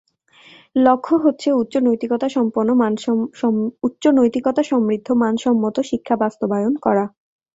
লক্ষ্য হচ্ছে-উচ্চ নৈতিকতা সমৃদ্ধ মানসম্মত শিক্ষা বাস্তবায়ন করা।